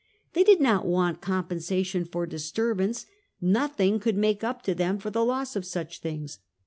They did not want com pensation for disturbance; nothing could make up to them for the loss of such things.